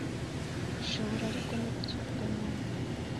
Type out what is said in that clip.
Ushobora ariko no kukivuga nabi